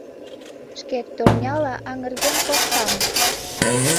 Шкет турняла аҥырген коштам.